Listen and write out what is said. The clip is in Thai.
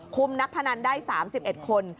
นักพนันได้๓๑คน